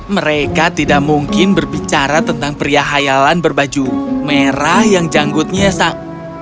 mereka tidak mungkin berbicara tentang pria hayalan berbaju merah yang janggutnya sak